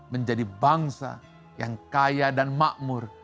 menjadi bangsa yang kaya dan makmur